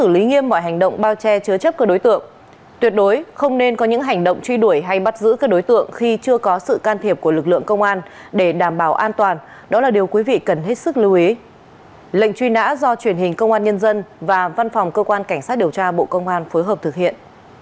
lệnh truy nã do truyền hình công an nhân dân và văn phòng cơ quan cảnh sát điều tra bộ công an phối hợp thực hiện